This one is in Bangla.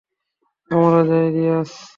আমরা যাই, রিয়াজ?